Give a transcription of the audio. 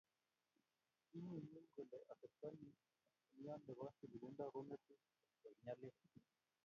King'gung'uny kole atepto niyo ne bo tililndo ko kokung'etu koek nyalil